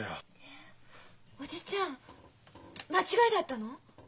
えっ叔父ちゃん間違いだったの？